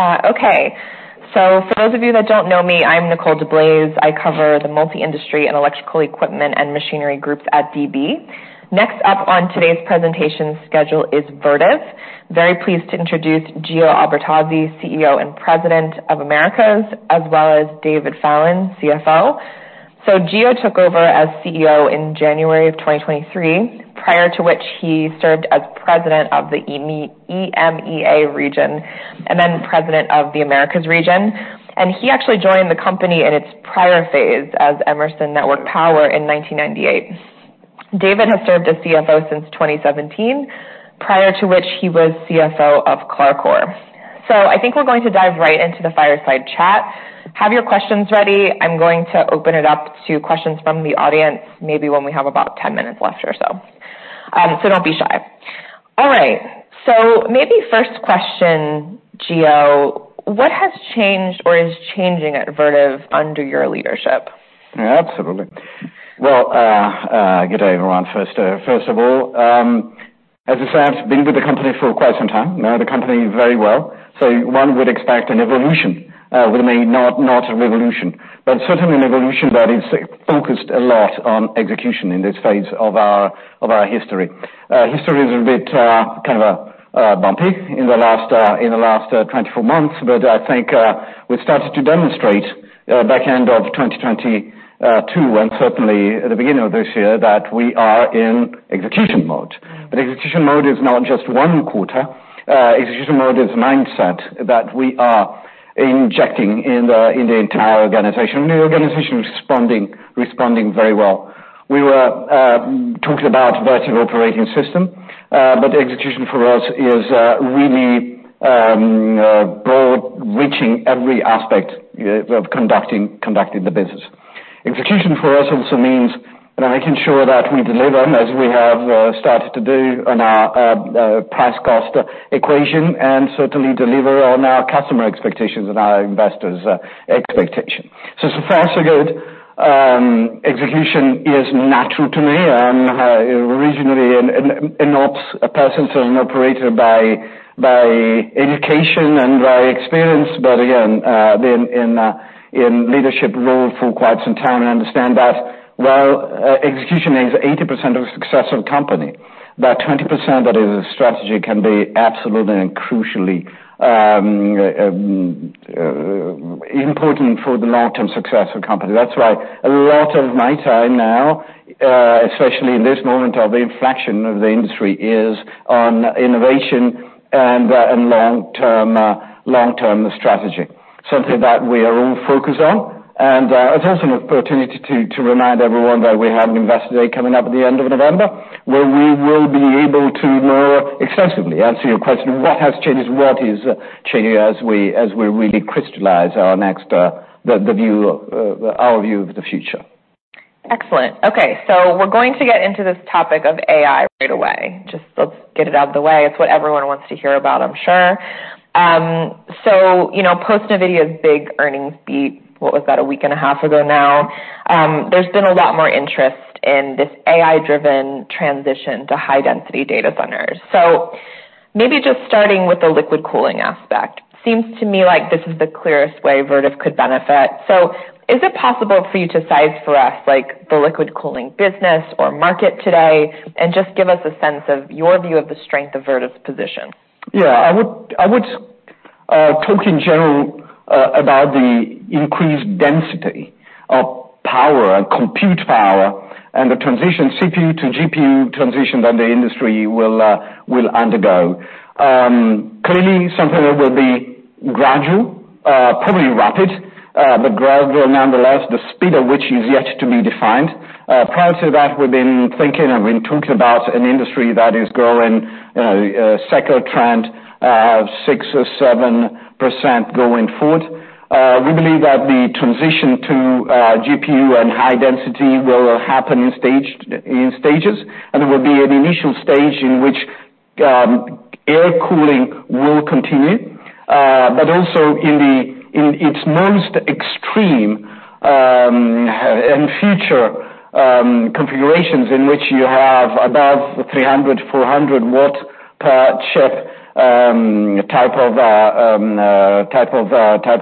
Okay. For those of you that don't know me, I'm Nicole DeBlase. I cover the multi-industry and electrical equipment and machinery groups at DB. Next up on today's presentation schedule is Vertiv. Very pleased to introduce Giordano Albertazzi, CEO and President of Americas, as well as David Fallon, CFO. So, Gio took over as CEO in January of 2023, prior to which he served as president of the EMEA region, and then president of the Americas region. He actually joined the company in its prior phase as Emerson Network Power in 1998. David has served as CFO since 2017, prior to which he was CFO of CLARCOR. I think we're going to dive right into the fireside chat. Have your questions ready. I'm going to open it up to questions from the audience, maybe when we have about 10 minutes left or so. Don't be shy. All right. Maybe first question, Gio, what has changed or is changing at Vertiv under your leadership? Yeah, absolutely. Well, good day, everyone. First, first of all, as I said, I've been with the company for quite some time, know the company very well. One would expect an evolution, remaining not a revolution, but certainly an evolution that is focused a lot on execution in this phase of our history. History is a bit, kind of, bumpy in the last, in the last, 24 months. I think, we started to demonstrate, back end of 2022, and certainly at the beginning of this year, that we are in execution mode. Execution mode is not just one quarter, execution mode is mindset that we are injecting in the entire organization. The organization responding very well. We were talking about Vertiv Operating System, but the execution for us is really broad, reaching every aspect of conducting the business. Execution for us also means making sure that we deliver as we have started to do on our past cost equation, and certainly deliver on our customer expectations and our investors expectation. So far, so good. Execution is natural to me. I'm originally an ops person, so an operator by education and by experience, but again, been in a leadership role for quite some time. I understand that while execution is 80% of the success of a company, that 20% that is a strategy can be absolutely and crucially important for the long-term success of a company. That's why a lot of my time now, especially in this moment of inflection of the industry, is on innovation and long-term, long-term strategy, something that we are all focused on. It's also an opportunity to remind everyone that we have an Investor Day coming up at the end of November, where we will be able to more extensively answer your question, what has changed, what is changing as we really crystallize our next, the view, our view of the future. Excellent. Okay, we're going to get into this topic of AI right away. Just let's get it out of the way. It's what everyone wants to hear about, I'm sure. You know, post-NVIDIA's big earnings beat, what was that, 1.5 week ago now? There's been a lot more interest in this AI-driven transition to high-density data centers. Maybe just starting with the liquid cooling aspect, seems to me like this is the clearest way Vertiv could benefit. Is it possible for you to size for us, like, the liquid cooling business or market today, and just give us a sense of your view of the strength of Vertiv's position? I would talk in general about the increased density of power and compute power and the transition CPU to GPU transition that the industry will undergo. Clearly, something that will be gradual, probably rapid, but gradual nonetheless, the speed of which is yet to be defined. Prior to that, we've been thinking and we've been talking about an industry that is growing, a secular trend of 6% or 7% going forward. We believe that the transition to GPU and high density will happen in stages, and there will be an initial stage in which air cooling will continue. Also in the, in its most extreme, and future, configurations, in which you have above 300 W-400 W per chip, type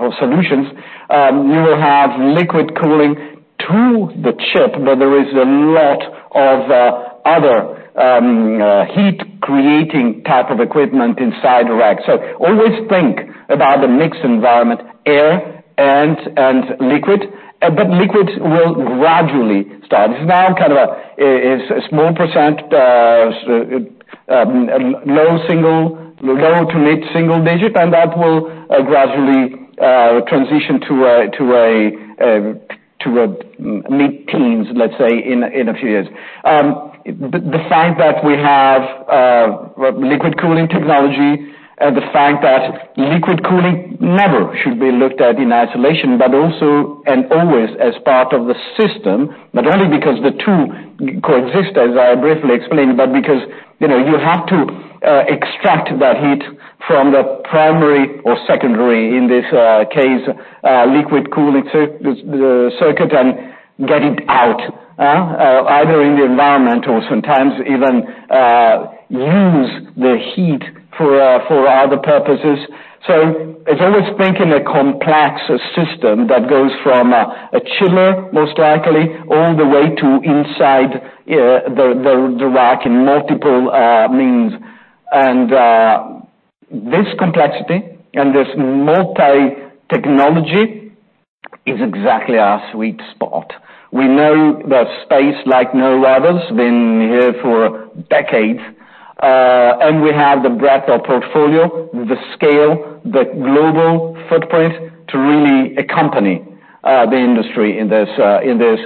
of solutions, you will have liquid cooling to the chip, but there is a lot of other heat-creating type of equipment inside the rack. Always think about the mixed environment, air and liquid will gradually start. It's now kind of a small percent, low to mid single digit, and that will gradually transition to a mid-teens, let's say, in a few years. The fact that we have liquid cooling technology, the fact that liquid cooling never should be looked at in isolation, but also and always as part of the system, not only because the two coexist, as I briefly explained, but because, you know, you have to extract that heat from the primary or secondary, in this case, liquid cooling circuit and get it out either in the environment or sometimes even use the heat for other purposes. As always, think in a complex system that goes from a chiller, most likely, all the way to inside the rack in multiple means. And this complexity and this multi-technology is exactly our sweet spot. We know the space like no others, been here for decades, and we have the breadth of portfolio, the scale, the global footprint to really accompany the industry in this in this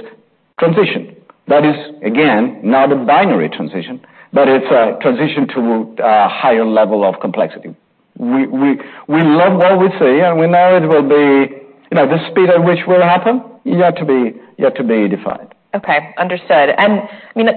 transition. That is again not a binary transition, but it's a transition to higher level of complexity. We love what we see, and we know it will be, you know, the speed at which will happen, yet to be defined. Okay, understood. I mean,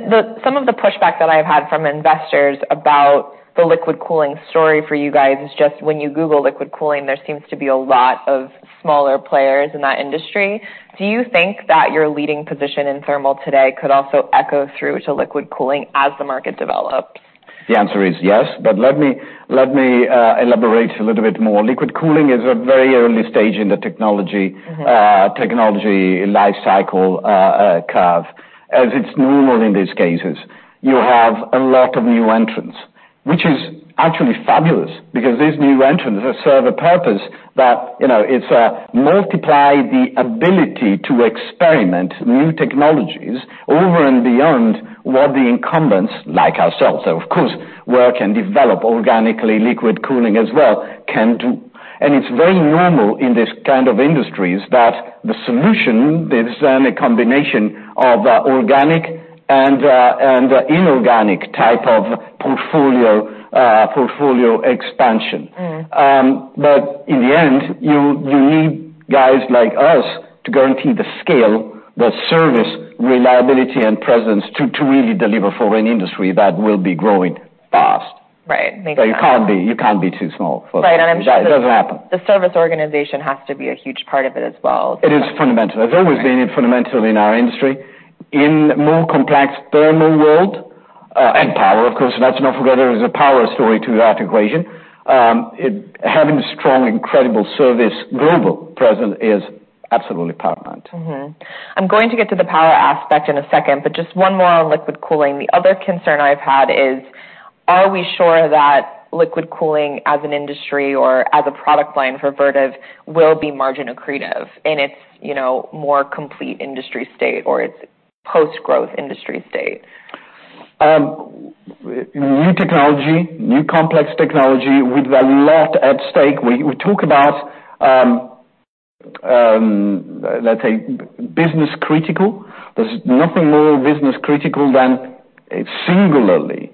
some of the pushback that I've had from investors about the liquid cooling story for you guys is just when you google liquid cooling, there seems to be a lot of smaller players in that industry. Do you think that your leading position in thermal today could also echo through to liquid cooling as the market develops? The answer is yes, let me elaborate a little bit more. Liquid cooling is a very early stage in the technology lifecycle curve. As it's normal in these cases, you have a lot of new entrants, which is actually fabulous because these new entrants serve a purpose that, you know, it's multiply the ability to experiment new technologies over and beyond what the incumbents, like ourselves, so of course, work and develop organically, liquid cooling as well, can do. It's very normal in this kind of industries that the solution is then a combination of organic and inorganic type of portfolio expansion. In the end, you need guys like us to guarantee the scale, the service, reliability, and presence to really deliver for an industry that will be growing fast. Right. Makes sense. You can't be too small for that. Right, I understand. It doesn't happen. The service organization has to be a huge part of it as well. It is fundamental. It's always been fundamental in our industry. In more complex thermal world, and power, of course, let's not forget there is a power story to that equation. Having strong, incredible service, global presence is absolutely paramount. I'm going to get to the power aspect in a second, but just one more on liquid cooling. The other concern I've had is: Are we sure that liquid cooling as an industry or as a product line for Vertiv will be margin accretive in its, you know, more complete industry state or its post-growth industry state? New technology, new complex technology, with a lot at stake. We talk about, let's say, business critical. There's nothing more business critical than a singularly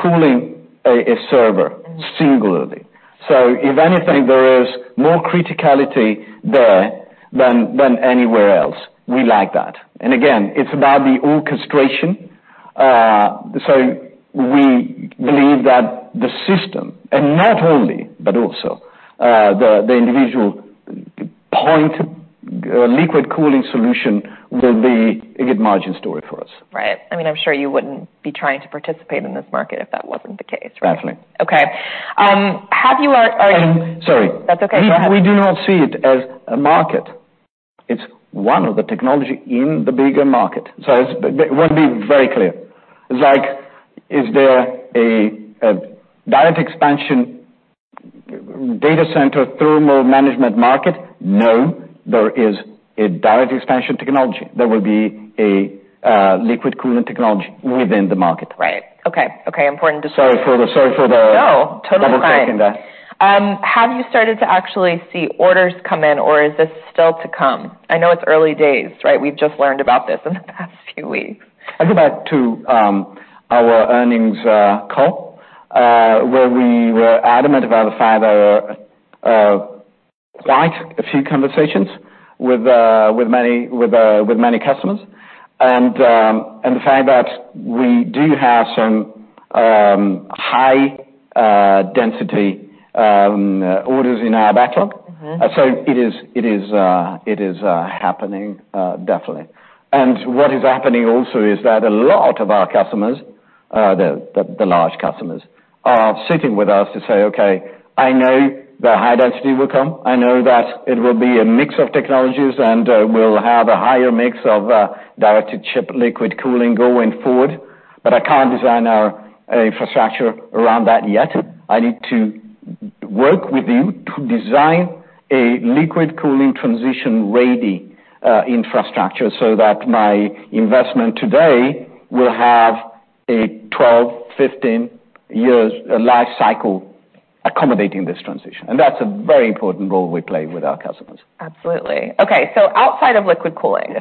cooling a server, singularly. If anything, there is more criticality there than anywhere else. We like that. Again, it's about the orchestration. We believe that the system, and not only, but also, the individual point, liquid cooling solution will be a good margin story for us. Right. I mean, I'm sure you wouldn't be trying to participate in this market if that wasn't the case, right? Exactly. Okay. Have you or. Sorry. That's okay, go ahead. We do not see it as a market. It's one of the technology in the bigger market. Let me be very clear. It's like, is there a direct expansion data center thermal management market? No, there is a direct expansion technology. There will be a liquid cooling technology within the market. Right. Okay, important distinction. Sorry for the double-talk in that. No, totally fine. Have you started to actually see orders come in, or is this still to come? I know it's early days, right? We've just learned about this in the past few weeks. I go back to our earnings call where we were adamant about the fact that quite a few conversations with many customers, and the fact that we do have some high density orders in our backlog. It is happening definitely. What is happening also is that a lot of our customers, the large customers, are sitting with us to say: "Okay, I know the high density will come. I know that it will be a mix of technologies, and we'll have a higher mix of direct-to-chip liquid cooling going forward, but I can't design our infrastructure around that yet. I need to work with you to design a liquid cooling transition-ready infrastructure so that my investment today will have a 12-15 years' life cycle accommodating this transition." That's a very important role we play with our customers. Absolutely. Okay, outside of liquid cooling.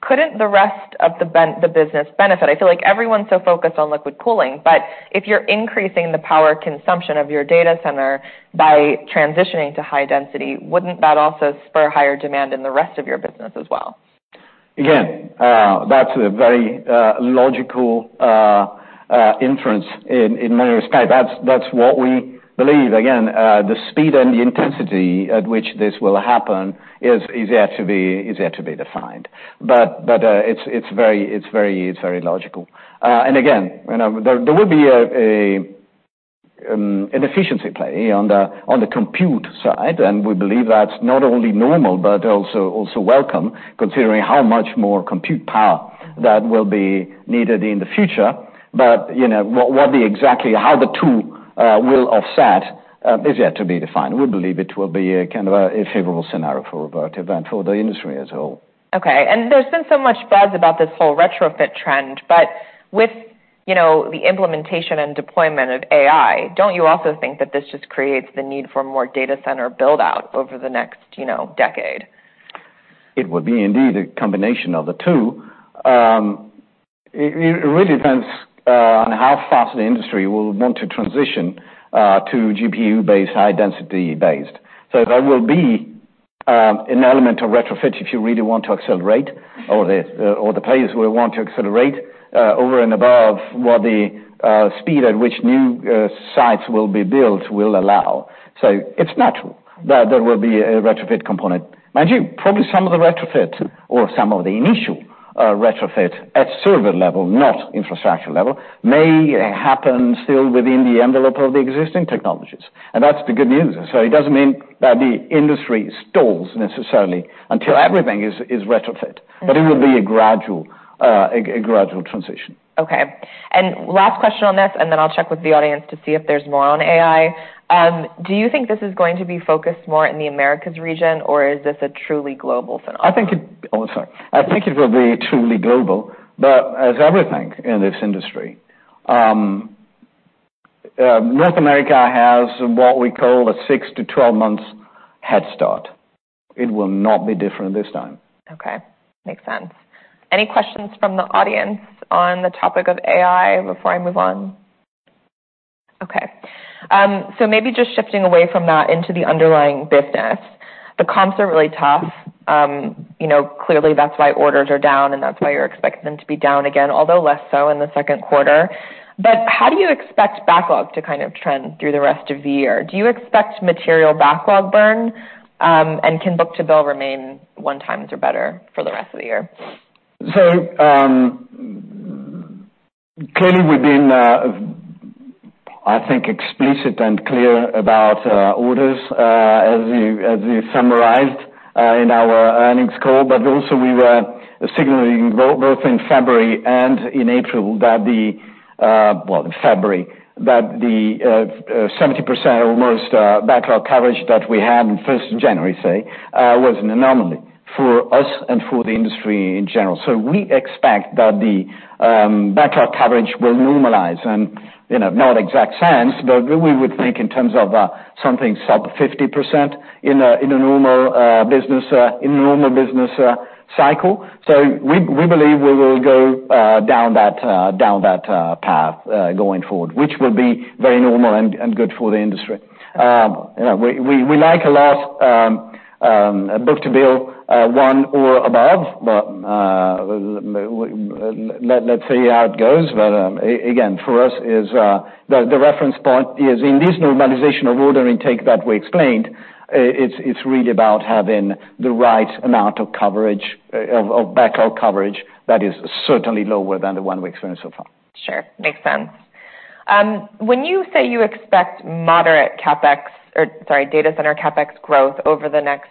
Couldn't the rest of the business benefit? I feel like everyone's so focused on liquid cooling, if you're increasing the power consumption of your data center by transitioning to high density, wouldn't that also spur higher demand in the rest of your business as well? Again, that's a very logical inference in many respect. That's what we believe. Again, the speed and the intensity at which this will happen is yet to be defined. It's very logical. Again, you know, there will be an efficiency play on the compute side, and we believe that's not only normal, but also welcome, considering how much more compute power that will be needed in the future. You know, what exactly, how the two will offset is yet to be defined. We believe it will be a kind of a favorable scenario for Vertiv and for the industry as a whole. Okay. There's been so much buzz about this whole retrofit trend, but with, you know, the implementation and deployment of AI, don't you also think that this just creates the need for more data center build-out over the next, you know, decade? It would be indeed a combination of the two. It really depends on how fast the industry will want to transition to GPU-based, high-density based. There will be an element of retrofit if you really want to accelerate or the players will want to accelerate over and above what the speed at which new sites will be built will allow. It's natural that there will be a retrofit component. Mind you, probably some of the retrofits or some of the initial retrofit at server level, not infrastructure level, may happen still within the envelope of the existing technologies, and that's the good news. It doesn't mean that the industry stalls necessarily until everything is retrofit, but it will be a gradual transition. Okay. Last question on this, and then I'll check with the audience to see if there's more on AI. Do you think this is going to be focused more in the Americas region, or is this a truly global phenomenon? I think it will be truly global. As everything in this industry, North America has what we call a 6-12 months head start. It will not be different this time. Okay, makes sense. Any questions from the audience on the topic of AI before I move on? Maybe just shifting away from that into the underlying business. The comps are really tough. You know, clearly, that's why orders are down, and that's why you're expecting them to be down again, although less so in the second quarter. How do you expect backlog to kind of trend through the rest of the year? Do you expect material backlog burn, and can book-to-bill remain 1 times or better for the rest of the year? Clearly, we've been, I think, explicit and clear about orders as you summarized in our earnings call. Also we were signaling both in February and in April that the, well, in February, that the 70% almost backlog coverage that we had in 1st of January, say, was an anomaly for us and for the industry in general. We expect that the backlog coverage will normalize and, you know, not exact science, but we would think in terms of something sub-50% in a normal business in a normal business cycle. We, we believe we will go down that path going forward, which will be very normal and good for the industry. You know, we like a lot, book-to-bill 1 or above, but let's see how it goes. Again, for us, is the reference point is in this normalization of order intake that we explained, it's really about having the right amount of coverage of backlog coverage that is certainly lower than the 1 we experienced so far. Sure, makes sense. When you say you expect data center CapEx growth over the next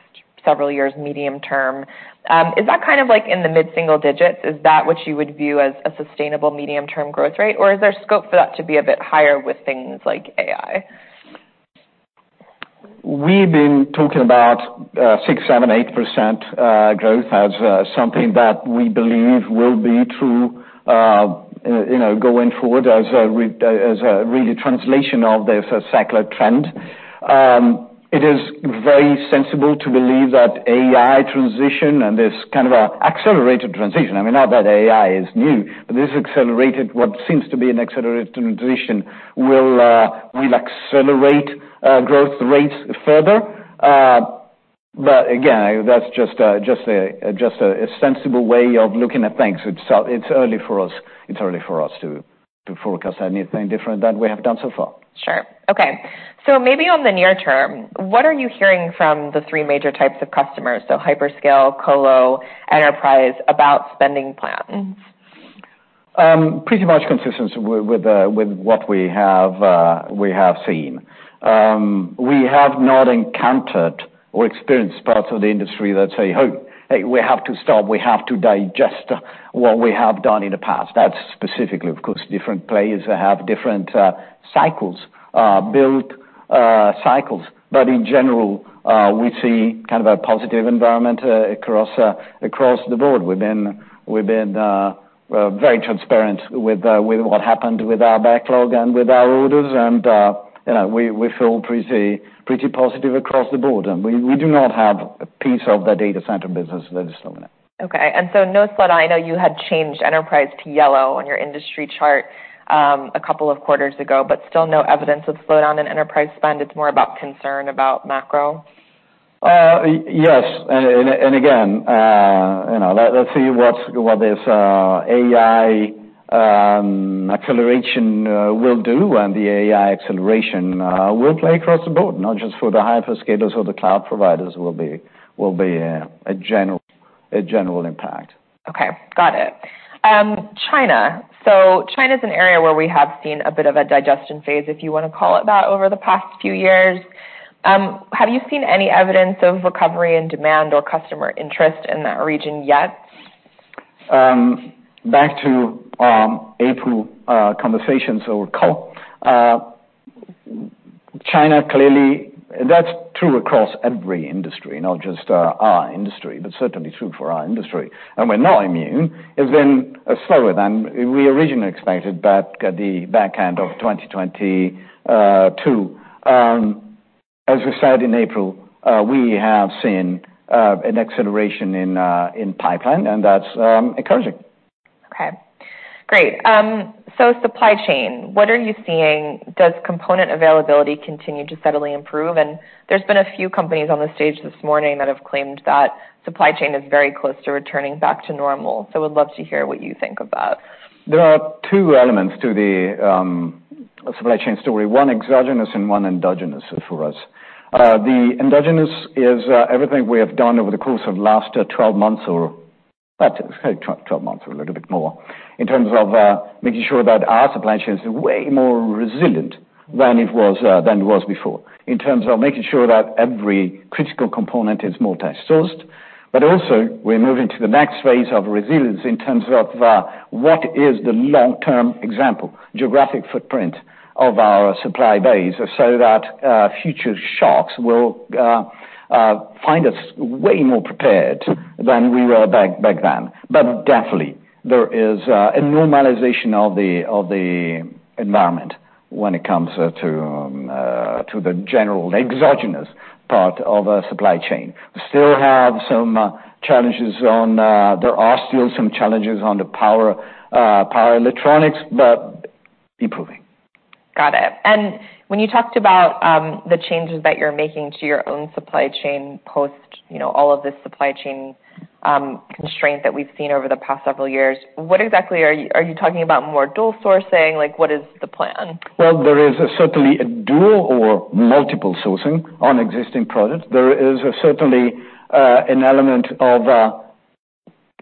several years, medium term, is that kind of like in the mid-single digits? Is that what you would view as a sustainable medium-term growth rate, or is there scope for that to be a bit higher with things like AI? We've been talking about 6%, 7%, 8% growth as something that we believe will be true, you know, going forward as a really translation of this secular trend. It is very sensible to believe that AI transition and this kind of a accelerated transition, I mean, not that AI is new, but this accelerated what seems to be an accelerated transition will accelerate growth rates further. Again, that's just a sensible way of looking at things. It's early for us, it's early for us to forecast anything different than we have done so far. Sure. Okay. Maybe on the near term, what are you hearing from the three major types of customers, hyperscale, colo, enterprise, about spending plans? Pretty much consistent with what we have seen. We have not encountered or experienced parts of the industry that say, "Oh, hey, we have to stop. We have to digest what we have done in the past." That's specifically, of course, different players that have different cycles, build cycles. But in general, we see kind of a positive environment across across the board. We've been very transparent with what happened with our backlog and with our orders, and, you know, we feel pretty positive across the board, and we do not have a piece of the data center business that is slowing. Okay. No slowdown. I know you had changed enterprise to yellow on your industry chart a couple of quarters ago, but still no evidence of slowdown in enterprise spend. It's more about concern about macro? Yes, and again, you know, let's see what this AI acceleration will do. The AI acceleration will play across the board, not just for the hyperscalers or the cloud providers, will be a general impact. Okay, got it. China. So, China's an area where we have seen a bit of a digestion phase, if you wanna call it that, over the past few years. Have you seen any evidence of recovery in demand or customer interest in that region yet? Back to April conversations or call, China, clearly, that's true across every industry, not just our industry, but certainly true for our industry, and we're not immune. It's been slower than we originally expected, but the back end of 2022. As we said in April, we have seen an acceleration in pipeline, and that's encouraging. Okay, great. Supply chain, what are you seeing? Does component availability continue to steadily improve? There's been a few companies on the stage this morning that have claimed that supply chain is very close to returning back to normal, so would love to hear what you think of that. There are two elements to the supply chain story: one exogenous and one endogenous for us. The endogenous is everything we have done over the course of last 12 months or, let's say, 12 months or a little bit more, in terms of making sure that our supply chain is way more resilient than it was before. In terms of making sure that every critical component is multi-sourced, but also we're moving to the next phase of resilience in terms of what is the long-term example, geographic footprint of our supply base, so that future shocks will find us way more prepared than we were back then. Definitely, there is a normalization of the environment when it comes to the general exogenous part of a supply chain. There are still some challenges on the power electronics, but improving. Got it. When you talked about the changes that you're making to your own supply chain, post, you know, all of this supply chain constraint that we've seen over the past several years, what exactly are you talking about more dual sourcing? Like, what is the plan? There is certainly a dual or multiple sourcing on existing products. There is certainly an element of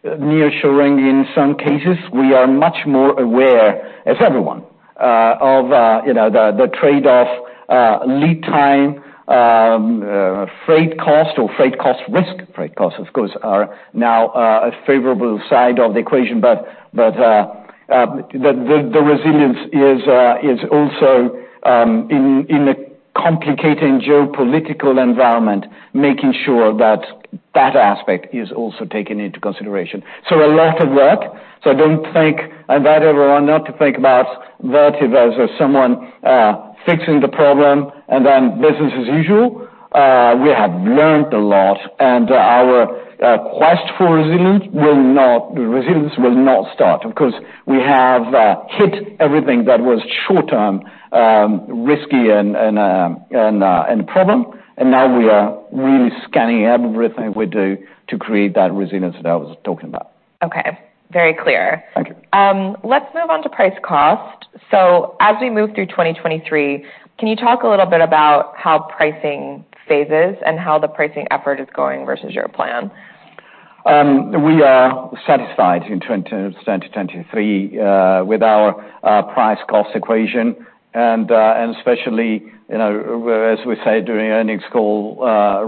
nearshoring in some cases. We are much more aware, as everyone, you know, the trade-off of lead time, freight cost or freight cost risk. Freight costs, of course, are now a favorable side of the equation, but the resilience is also in a complicated geopolitical environment, making sure that that aspect is also taken into consideration. A lot of work. Don't think, I invite everyone not to think about Vertiv as someone fixing the problem and then business as usual. We have learned a lot, and our quest for resilient will not resilience will not start. Of course, we have hit everything that was short-term, risky and problem, and now we are really scanning everything we do to create that resilience that I was talking about. Okay. Very clear. Thank you. Let's move on to price cost. As we move through 2023, can you talk a little bit about how pricing phases and how the pricing effort is going versus your plan? We are satisfied in 2023 with our price cost equation, and especially, you know, as we said during earnings call,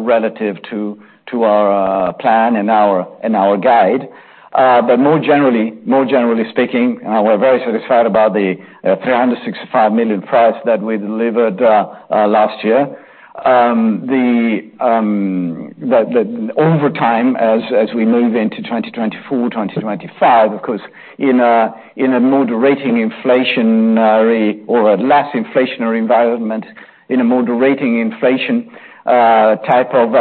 relative to our plan and our guide. More generally speaking, we're very satisfied about the $365 million price that we delivered last year. The over time, as we move into 2024, 2025, of course, in a moderating inflationary or a less inflationary environment, in a moderating inflation type of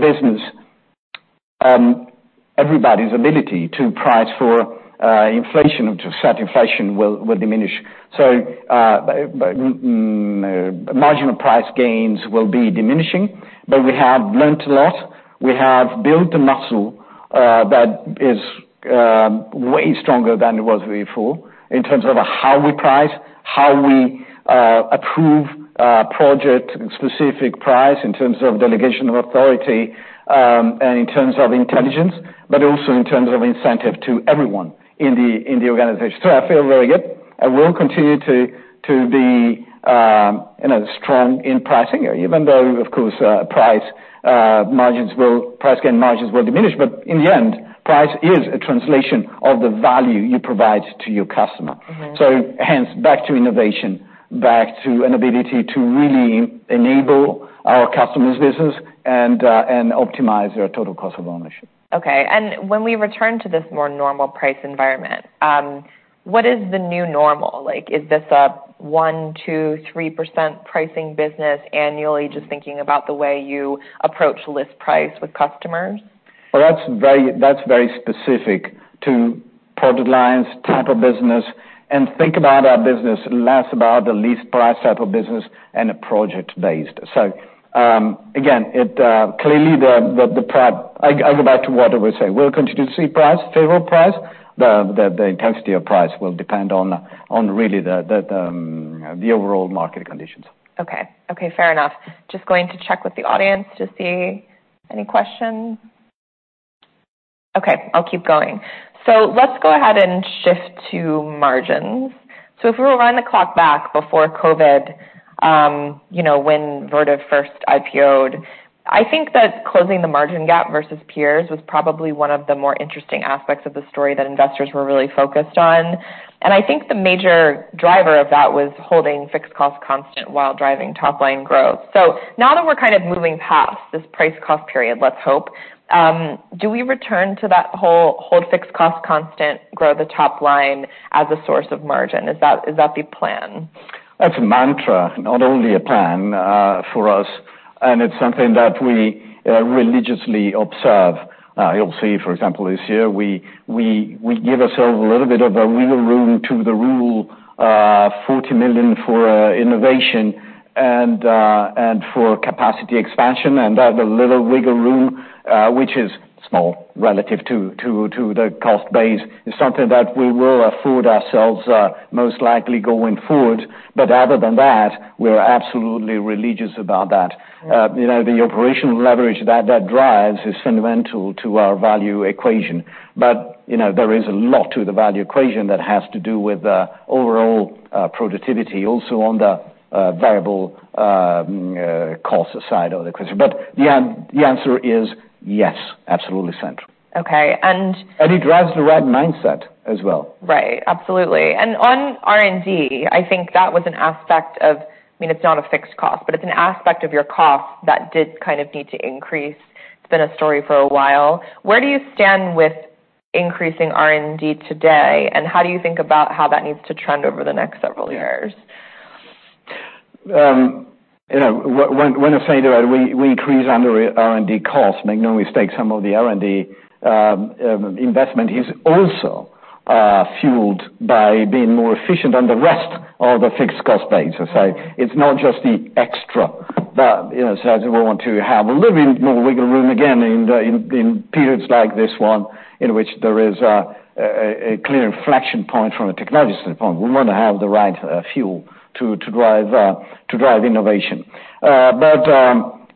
business, everybody's ability to price for inflation, to set inflation will diminish. Marginal price gains will be diminishing, but we have learned a lot. We have built a muscle that is way stronger than it was before in terms of how we price, how we approve project-specific price, in terms of delegation of authority, and in terms of intelligence, but also in terms of incentive to everyone in the organization. I feel very good. I will continue to be, you know, strong in pricing, even though of course, price gain margins will diminish. In the end, price is a translation of the value you provide to your customer. Hence, back to innovation, back to an ability to really enable our customer's business and optimize their total cost of ownership. Okay. When we return to this more normal price environment, what is the new normal? Like, is this a 1%, 2%, 3% pricing business annually, just thinking about the way you approach list price with customers? That's very specific to product lines, type of business, and think about our business, less about the list price type of business and a project-based. Again, it clearly I go back to what I would say, we'll continue to see price, favorable price. The intensity of price will depend on really the overall market conditions. Okay, fair enough. Just going to check with the audience to see any questions? Okay, I'll keep going. Let's go ahead and shift to margins. If we rewind the clock back before COVID, you know, when Vertiv first IPO'd, I think that closing the margin gap versus peers was probably one of the more interesting aspects of the story that investors were really focused on. I think the major driver of that was holding fixed cost constant while driving top line growth. Now that we're kind of moving past this price cost period, let's hope, do we return to that whole hold fixed cost constant, grow the top line as a source of margin? Is that the plan? That's a mantra, not only a plan for us. It's something that we give ourselves a little bit of a wiggle room to the rule, $40 million for innovation and for capacity expansion and the little wiggle room, which is small relative to the cost base, is something that we will afford ourselves most likely going forward. Other than that, we are absolutely religious about that. You know, the operational leverage that drives is fundamental to our value equation. You know, there is a lot to the value equation that has to do with the overall productivity, also on the variable cost side of the equation. The answer is yes, absolutely central. It drives the right mindset as well. Right. Absolutely. On R&D, I think that was an aspect of I mean, it's not a fixed cost, but it's an aspect of your cost that did kind of need to increase. It's been a story for a while. Where do you stand with increasing R&D today, and how do you think about how that needs to trend over the next several years? You know, when I say that we increase on the R&D costs, make no mistake, some of the R&D investment is also fueled by being more efficient on the rest of the fixed cost base. It's not just the extra, but, you know, so we want to have a little bit more wiggle room again, in periods like this one, in which there is a clear inflection point from a technology standpoint. We want to have the right fuel to drive innovation.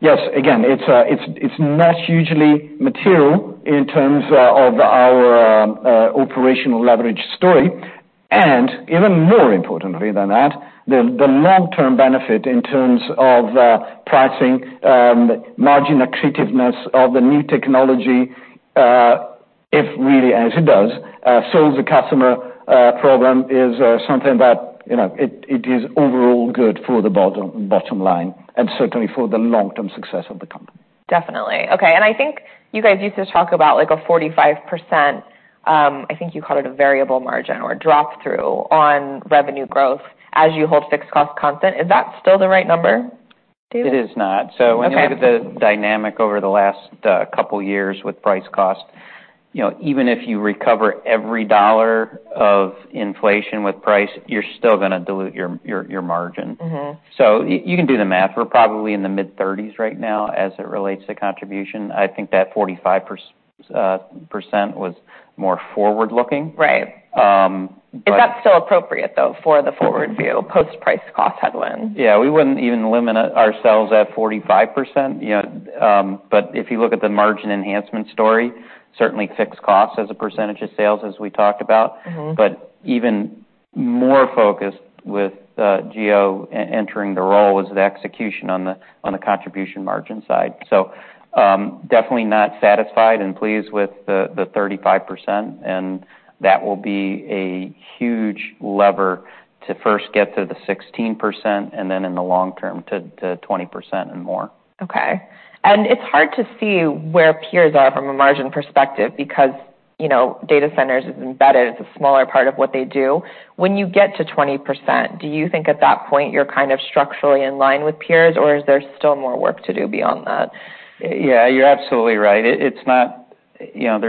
Yes, again, it's not usually material in terms of our operational leverage story. Even more importantly than that, the long-term benefit in terms of pricing, margin accretiveness of the new technology, if really, as it does, solves a customer problem, is something that, you know, it is overall good for the bottom line, and certainly for the long-term success of the company. Definitely. Okay, I think you guys used to talk about, like, a 45%, I think you called it a variable margin or drop through on revenue growth as you hold fixed cost constant. Is that still the right number, Dave? It is not. Okay. When you look at the dynamic over the last couple of years with price cost, you know, even if you recover every dollar of inflation with price, you're still gonna dilute your margin. You can do the math. We're probably in the mid-30s right now as it relates to contribution. I think that 45% was more forward-looking. Right. Is that still appropriate, though, for the forward view, post-price cost headwind? But, we wouldn't even limit ourselves at 45%, you know, but if you look at the margin enhancement story, certainly fixed costs as a percentage of sales, as we talked about. Even more focused with Gio entering the role, is the execution on the contribution margin side. Definitely not satisfied and pleased with the 35%, and that will be a huge lever to first get to the 16%, and then in the long term, to 20% and more. Okay. It's hard to see where peers are from a margin perspective because, you know, data centers is embedded. It's a smaller part of what they do. When you get to 20%, do you think at that point you're kind of structurally in line with peers, or is there still more work to do beyond that? Yeah, you're absolutely right. It's not, you know,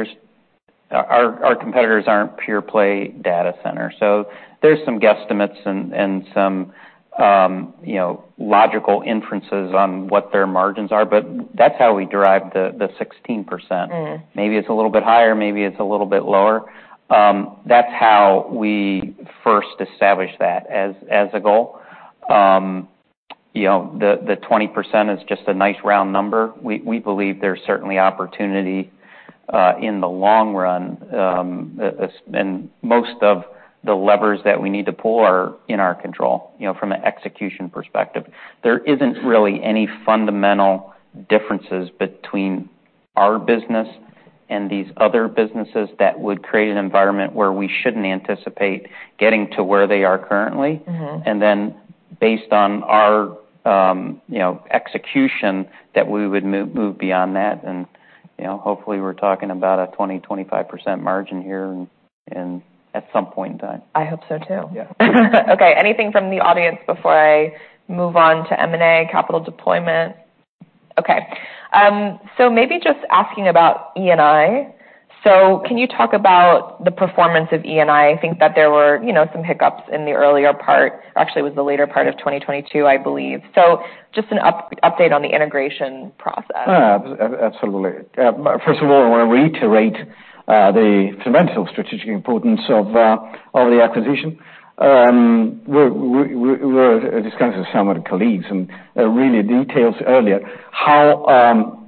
our competitors aren't pure-play data center, so there's some guesstimates and some, you know, logical inferences on what their margins are, but that's how we derive the 16%. Maybe it's a little bit higher, maybe it's a little bit lower. That's how we first established that as a goal. You know, the 20% is just a nice round number. We believe there's certainly opportunity in the long run, and most of the levers that we need to pull are in our control, you know, from an execution perspective. There isn't really any fundamental differences between our business and these other businesses that would create an environment where we shouldn't anticipate getting to where they are currently. Based on our execution, that we would move beyond that, and, you know, hopefully, we're talking about a 20%-25% margin here and at some point in time. I hope so, too. Yeah. Okay, anything from the audience before I move on to M&A capital deployment? Maybe just asking about E&I. Can you talk about the performance of E&I? I think that there were, you know, some hiccups in the earlier part. Actually, it was the later part of 2022, I believe. Just an update on the integration process. Absolutely. First of all, I want to reiterate the fundamental strategic importance of the acquisition. We're discussing with some of the colleagues, and really details earlier, how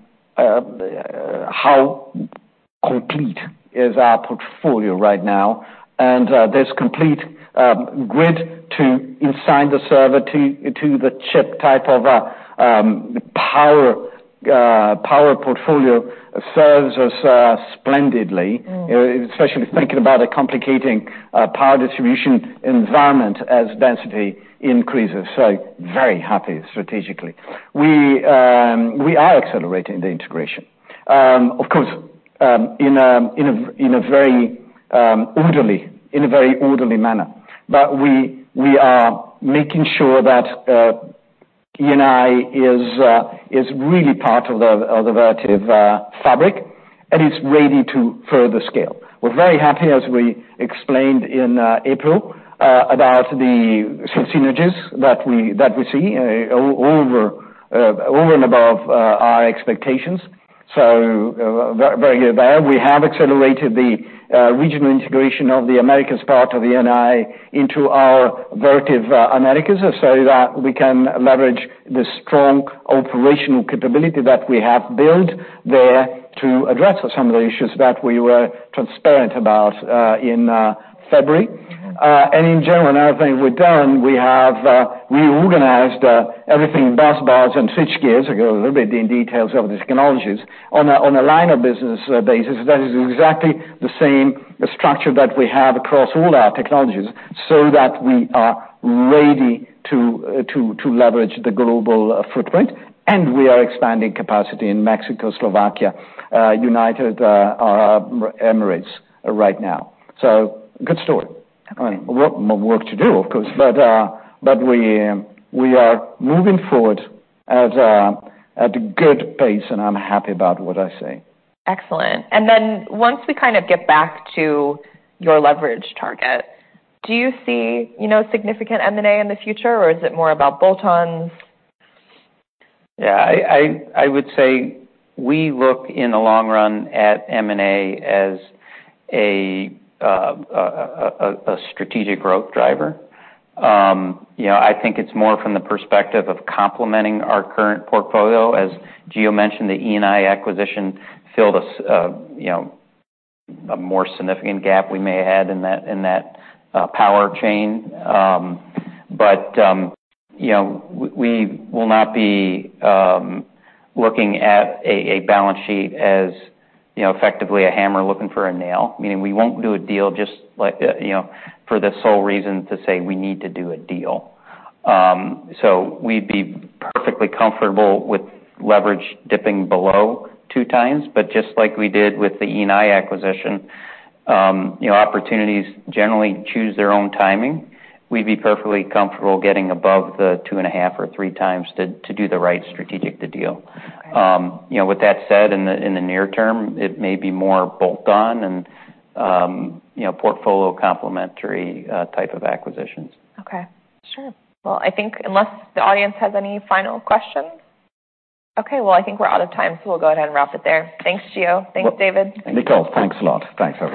complete is our portfolio right now? This complete grid to inside the server to the chip type of power portfolio serves us splendidly. Especially thinking about the complicating power distribution environment as density increases. Very happy strategically. We are accelerating the integration. Of course, in a very orderly manner. We are making sure that E&I is really part of the Vertiv fabric, and it's ready to further scale. We're very happy, as we explained in April, about the synergies that we see over and above our expectations. Very there. We have accelerated the regional integration of the Americas part of E&I into our Vertiv Americas, so that we can leverage the strong operational capability that we have built there to address some of the issues that we were transparent about in February. In general, everything we've done, we have reorganized everything, busbars and switchgear. I go a little bit in details of these technologies. On a line of business basis, that is exactly the same structure that we have across all our technologies, so that we are ready to leverage the global footprint, and we are expanding capacity in Mexico, Slovakia, United Arab Emirates right now. Good story. I mean, work, more work to do, of course, but we are moving forward at a good pace, and I'm happy about what I see. Excellent. Then once we kind of get back to your leverage target, do you see, you know, significant M&A in the future, or is it more about bolt-ons? Yeah, I would say we look in the long run at M&A as a strategic growth driver. You know, I think it's more from the perspective of complementing our current portfolio. As Gio mentioned, the E&I acquisition filled a, you know, a more significant gap we may had in that power chain. You know, we will not be looking at a balance sheet as, you know, effectively a hammer looking for a nail. Meaning we won't do a deal just like, you know, for the sole reason to say we need to do a deal. We'd be perfectly comfortable with leverage dipping below 2 times, but just like we did with the E&I acquisition, you know, opportunities generally choose their own timing. We'd be perfectly comfortable getting above the 2.5 times or 3 times to do the right strategic deal. You know, with that said, in the near term, it may be more bolt-on and, you know, portfolio complementary type of acquisitions. Okay. Sure. Well, I think unless the audience has any final questions? Okay, well, I think we're out of time, so we'll go ahead and wrap it there. Thanks, Gio. Thanks, David. Nicole, thanks a lot. Thanks, everyone.